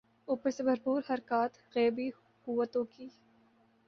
اوپر سے بھرپور حرکات غیبی قوتوں کی۔